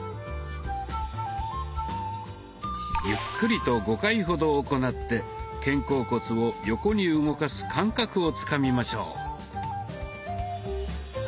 ゆっくりと５回ほど行って肩甲骨を横に動かす感覚をつかみましょう。